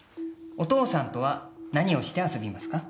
お父さんとは何をして遊びますか？